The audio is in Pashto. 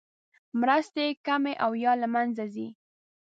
مرستې کمې او یا له مینځه ځي.